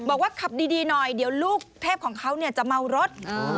บอกว่าขับดีหน่อยเดี๋ยวลูกเทพของเขาจะเมารถ